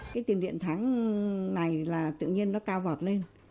cái tiền điện tháng này là tự nhiên nó cao vọt lên